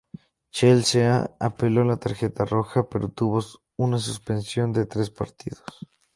Chelsea apeló la tarjeta roja, pero tuvo una suspensión de tres partidos.